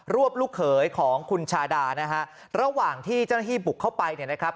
วบลูกเขยของคุณชาดานะฮะระหว่างที่เจ้าหน้าที่บุกเข้าไปเนี่ยนะครับ